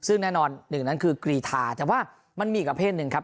ซึ่งแน่นอนหนึ่งนั้นคือกรีธาแต่ว่ามันมีอีกประเภทหนึ่งครับ